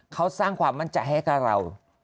เขาสร้างความมั่นใจให้กับเรา